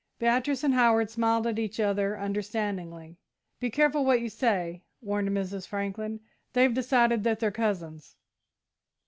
Beatrice and Howard smiled at each other understandingly. "Be careful what you say," warned Mrs. Franklin; "they've decided that they're cousins."